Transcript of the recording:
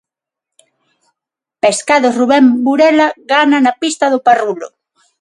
Pescados Rubén Burela gana na pista do Parrulo.